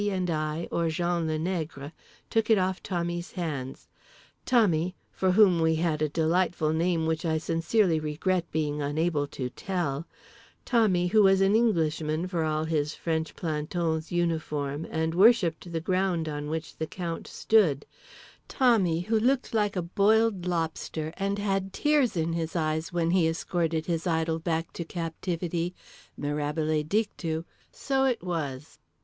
and I or Jean le Nègre took it off Tommy's hands—Tommy, for whom we had a delightful name which I sincerely regret being unable to tell, Tommy, who was an Englishman for all his French planton's uniform and worshipped the ground on which the Count stood; Tommy, who looked like a boiled lobster and had tears in his eyes when he escorted his idol back to captivity…. Mirabile dictu, so it was.